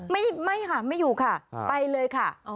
ไม่ค่ะไม่อยู่ค่ะไปเลยค่ะ